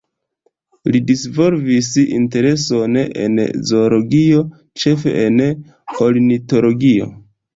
Li disvolvis intereson en zoologio, ĉefe en ornitologio.